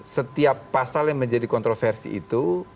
setiap pasal yang menjadi kontroversi itu